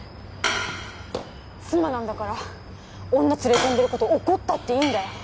妻なんだから女連れ込んでること怒ったっていいんだよ